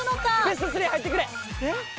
ベスト３入ってくれ！